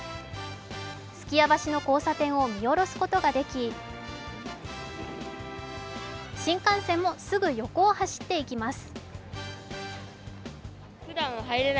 数寄屋橋の交差点を見下ろすことができ新幹線もすぐ横を走って行きます。